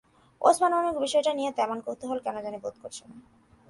ওসমান গনির বিষয়টা নিয়ে তেমন কৌতূহলও কেন জানি বোধ করছেন না।